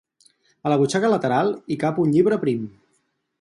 A la butxaca lateral, hi cap un llibre prim.